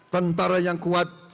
tentara yang kuat